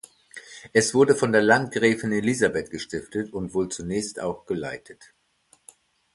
Es wurde von der Landgräfin Elisabeth gestiftet und wohl zunächst auch geleitet.